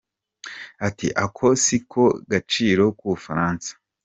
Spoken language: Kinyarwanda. Ati “Ako si ko gaciro k’u Bufaransa.”